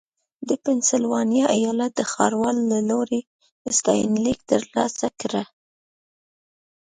د پنسلوانیا ایالت د ښاروال له لوري ستاینلیک ترلاسه کړ.